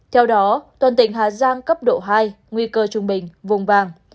theo đó toàn tỉnh hà giang cấp độ hai nguy cơ trung bình vùng vàng